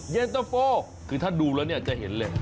เย็นตะโฟคือถ้าดูแล้วเนี่ยจะเห็นเลย